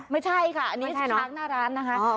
ไม่ใช่ค่ะอันนี้ค้างหน้าร้านนะคะ